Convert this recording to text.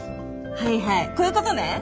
はいはいこういうことね。